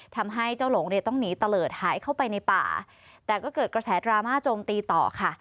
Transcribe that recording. ทำให้เจ้าหลงเนี่ยต้องหนีตะเลิศหายเข้าไปในป่าแต่ก็เกิดกระแสดราม่าโจมตีต่อค่ะ